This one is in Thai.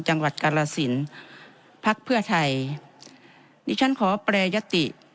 จังหวัดกาลสินฯพรรคเพื่อไทยนี่ฉันขอประยะติ